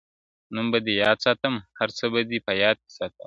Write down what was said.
نوم به دې ياد ساتم هرڅه به دي په يـاد کي ســاتــم,